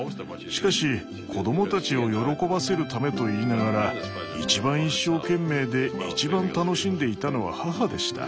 しかし子どもたちを喜ばせるためと言いながらいちばん一生懸命でいちばん楽しんでいたのは母でした。